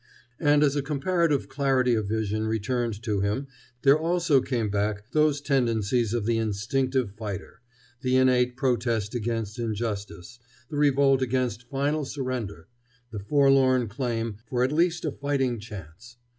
And as a comparative clarity of vision returned to him there also came back those tendencies of the instinctive fighter, the innate protest against injustice, the revolt against final surrender, the forlorn claim for at least a fighting chance.